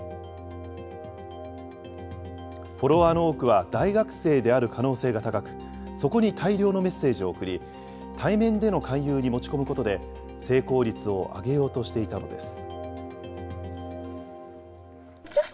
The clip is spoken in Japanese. フォロワーの多くは大学生である可能性が高く、そこに大量のメッセージを送り、対面での勧誘に持ち込むことで、成功率を上げようとしていたのです。